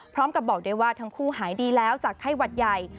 บอกได้ว่าทั้งคู่หายดีแล้วจากไข้หวัดใหญ่